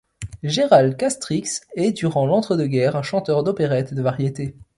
Gérald Castrix est durant l'entre-deux-guerres un chanteur d'opérette et de variétés.